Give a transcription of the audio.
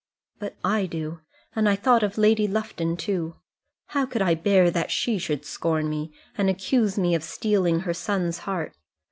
"But I do; and I thought of Lady Lufton too. How could I bear that she should scorn me, and accuse me of stealing her son's heart?